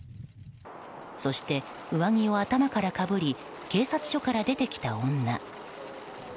そして、上着を頭からかぶり警察署から出てきた女。